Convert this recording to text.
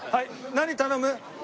何頼む？